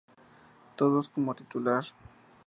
Todos como titular.